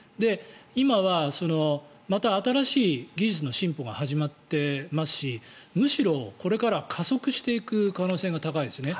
今はまた新しい技術の進歩が始まっていますしむしろ、これから加速していく可能性が高いですね。